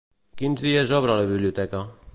Quins dies obre la biblioteca?